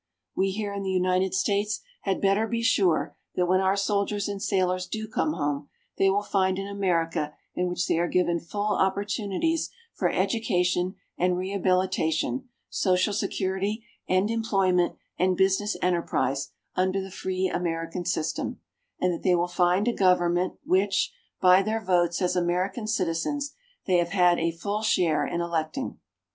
We here in the United States had better be sure that when our soldiers and sailors do come home they will find an America in which they are given full opportunities for education, and rehabilitation, social security, and employment and business enterprise under the free American system and that they will find a government which, by their votes as American citizens, they have had a full share in electing.